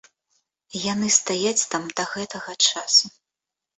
Яны стаяць там да гэтага часу.